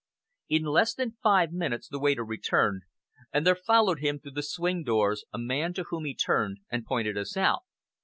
In less than five minutes the waiter returned, and there followed him through the swing doors a man to whom he turned and pointed us out.